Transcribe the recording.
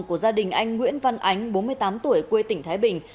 của gia đình anh nguyễn văn ánh bốn mươi tám tuổi quê tỉnh thái bình